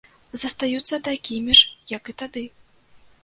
Застаюцца такімі ж, як і тады.